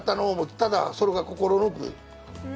ただそれが心残り。